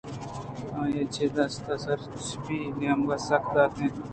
آئی ءِ چپّیں دست ءِ سر چپی نیمگ ءَ سک داتگ اِت اِنت